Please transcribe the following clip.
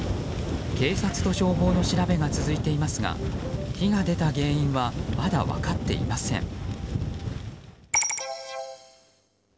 警察と消防の調べが続いていますが火が出た原因はまだ分かっていません。